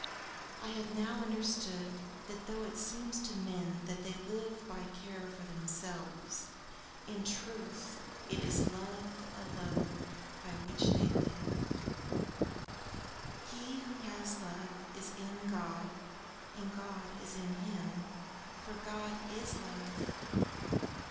"I have now understood that though it seems to men that they live by care for themselves, in truth it is love alone by which they live. He who has love, is in God, and God is in him, for God is love."